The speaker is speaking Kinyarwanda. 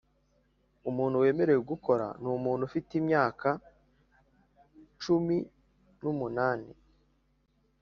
Umuntu wemerewe gukora numuntu ufite imyaka cuminumunane